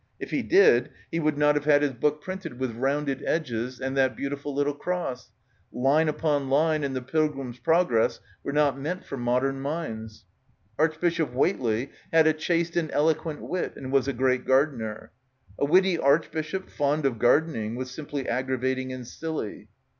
If he did he would not have had his book printed — 139 — PILGRIMAGE with rounded edges and that beautiful little cross ... "Line upon Line" and the "Pilgrim's Prog ress" were not meant for modern minds. Arch bishop Whateley had a "chaste and eloquent wit" and was a "great gardener." A witty archbishop fond of gardening was simply aggravating and silly.